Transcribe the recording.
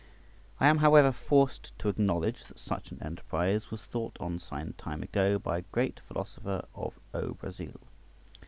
I am, however, forced to acknowledge that such an enterprise was thought on some time ago by a great philosopher of O Brazile.